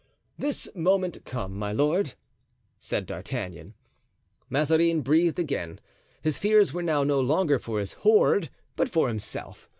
"This moment come, my lord," said D'Artagnan. Mazarin breathed again. His fears were now no longer for his hoard, but for himself.